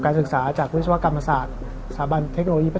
เรียบร้อย